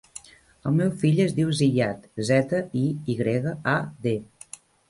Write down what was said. El meu fill es diu Ziyad: zeta, i, i grega, a, de.